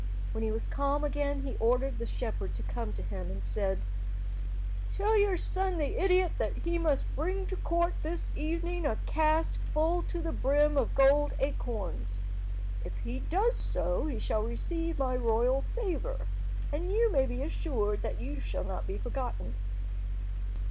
When he was calm again, he ordered the shepherd to come to him, and said— "Tell your son, the idiot, that he must bring to the court this evening a cask full to the brim of gold acorns. If he does so he shall receive my royal favour, and you may be assured that you shall not be forgotten."